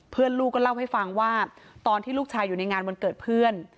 ลูกก็เล่าให้ฟังว่าตอนที่ลูกชายอยู่ในงานวันเกิดเพื่อน